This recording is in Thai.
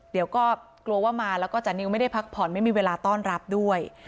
เดี๋ยวก็กลัวว่ามาแล้วก็จานิวไม่ได้พักผ่อนไม่มีเวลาต้อนรับด้วย